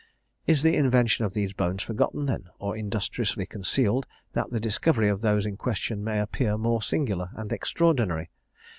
"Is the invention of these bones forgotten, then, or industriously concealed, that the discovery of those in question may appear the more singular and extraordinary?